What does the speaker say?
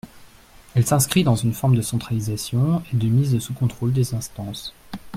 Elle s’inscrit dans une forme de centralisation et de mise sous contrôle des instances.